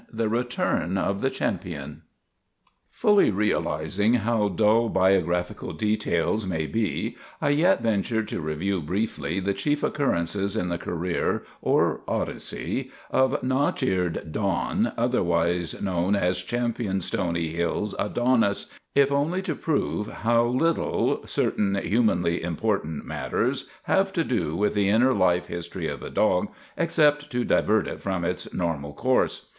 THE RETURN OF THE CHAMPION FULLY realizing how dull biographical details may be, I yet venture to review briefly the chief occurrences in the career, or odyssey, of notch eared Don, otherwise known as Champion Stony Hills Adonis, if only to prove how little certain humanly important matters have to do with the in ner life history of a dog, except to divert it from its normal course.